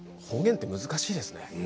方言って難しいですね。